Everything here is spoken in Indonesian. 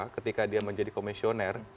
ketika dia menjadi komisioner